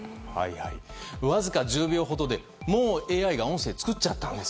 わずか１０秒ほどでＡＩが音声を作っちゃったんです。